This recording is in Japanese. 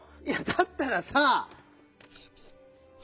いやだったらさ。